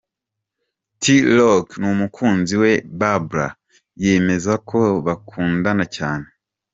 T Rock n'umukunzi we Babra yemeza ko bakundana cyane.